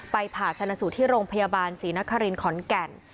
ผ่าชนะสูตรที่โรงพยาบาลศรีนครินขอนแก่น